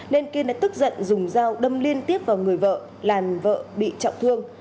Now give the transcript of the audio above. nên kiên đã tức giận dùng dao đâm liên tiếp vào người vợ làm vợ bị trọng thương